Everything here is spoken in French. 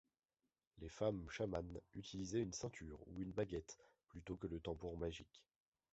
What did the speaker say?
Les femmes chamanes utilisaient une ceinture ou une baguette plutôt que le tambour magique.